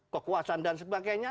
kekuasaan dan sebagainya